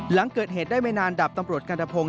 หลังเกิดเหตุได้ไม่นานดับตำรวจกัณฑพงศ